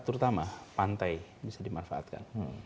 terutama pantai bisa dimanfaatkan